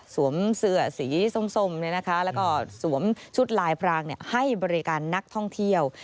เสื้อสีส้มแล้วก็สวมชุดลายพรางให้บริการนักท่องเที่ยว